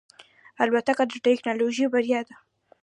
الوتکه د ټکنالوژۍ بریا ده.